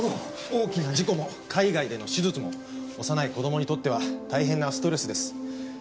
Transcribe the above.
大きな事故も海外での手術も幼い子供にとっては大変なストレスです。